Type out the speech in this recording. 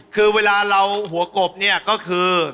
คือเวลาเราหัวกบเนี่ยก็คือ